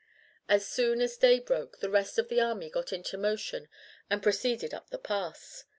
As soon as day broke the rest of the army got into motion and proceeded up the pass.